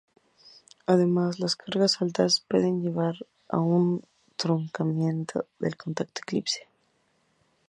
Además, las cargas altas pueden llevar a un truncamiento del contacto elipse.